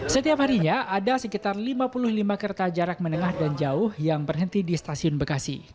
setiap harinya ada sekitar lima puluh lima kereta jarak menengah dan jauh yang berhenti di stasiun bekasi